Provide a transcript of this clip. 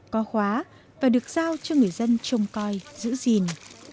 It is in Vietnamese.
có khóa và được giao cho người dân trông coi giữ gìn